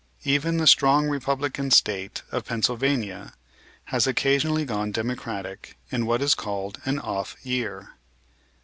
Even the strong Republican State of Pennsylvania has occasionally gone Democratic in what is called an "off year."